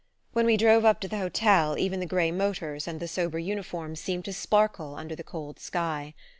When we drove up to the hotel even the grey motors and the sober uniforms seemed to sparkle under the cold sky.